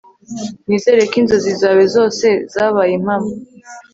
Nizere ko inzozi zawe zose zabaye impamo